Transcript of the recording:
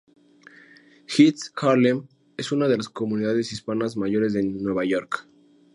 East Harlem es una de las comunidades hispanas mayores de Nueva York.